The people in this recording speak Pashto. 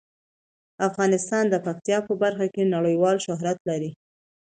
افغانستان د پکتیا په برخه کې نړیوال شهرت لري.